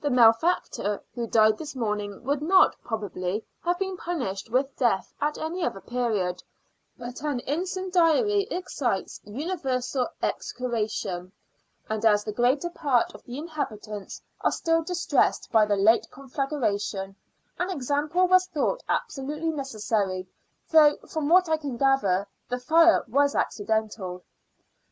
The malefactor who died this morning would not, probably, have been punished with death at any other period; but an incendiary excites universal execration; and as the greater part of the inhabitants are still distressed by the late conflagration, an example was thought absolutely necessary; though, from what I can gather, the fire was accidental.